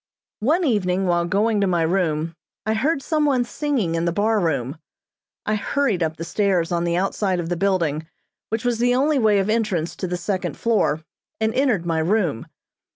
One evening while going to my room I heard some one singing in the bar room. I hurried up the stairs on the outside of the building, which was the only way of entrance to the second floor, and entered my room.